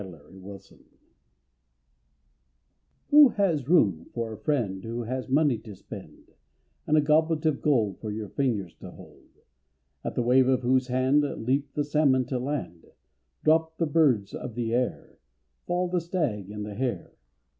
A FRIEND IN NEED Who has room for a friend Who has money to spend, And a goblet of gold For your fingers to hold, At the wave of whose hand Leap the salmon to land, Drop the birds of the air, Fall the stag and the hare.